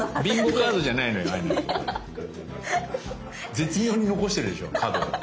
絶妙に残してるでしょ角。